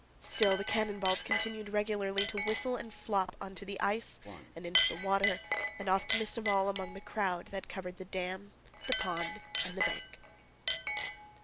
Still the cannon balls continued regularly to whistle and flop onto the ice and into the water and oftenest of all among the crowd that covered the dam, the pond, and the bank.